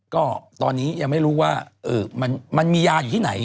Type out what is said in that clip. ก็ตอนนี้ยังไม่รู้ว่ามันมียาอยู่ที่ไหน